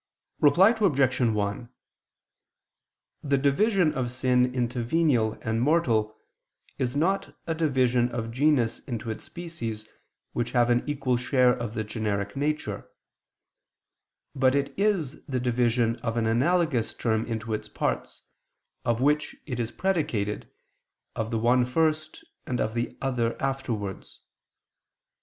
Reply Obj. 1: The division of sin into venial and mortal is not a division of a genus into its species which have an equal share of the generic nature: but it is the division of an analogous term into its parts, of which it is predicated, of the one first, and of the other afterwards.